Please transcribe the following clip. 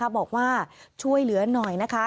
บอกว่าช่วยเหลือหน่อยนะคะ